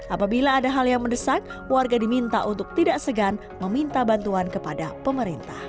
apabila ada hal yang mendesak warga diminta untuk tidak segan meminta bantuan kepada pemerintah